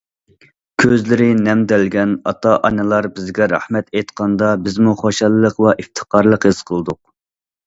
كۆزلىرى نەمدەلگەن ئاتا- ئانىلار بىزگە رەھمەت ئېيتقاندا، بىزمۇ خۇشاللىق ۋە ئىپتىخارلىق ھېس قىلدۇق.